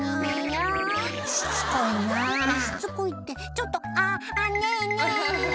しつこいってちょっとあっあっねえねえ！